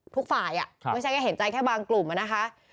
ทุกฝ่ายไม่ใช่แค่เห็นใจแค่บางกลุ่มนะคะ